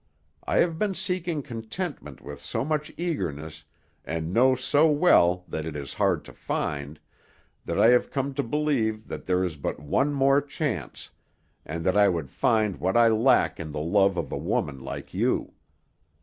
I have been seeking contentment with so much eagerness, and know so well that it is hard to find, that I have come to believe that there is but one more chance, and that I would find what I lack in the love of a woman like you.